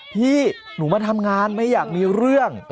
พี่หนูมาทำงานไม่อยากมีเรื่อง